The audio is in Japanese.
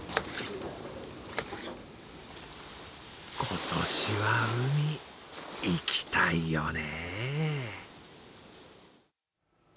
今年は海、行きたいよね。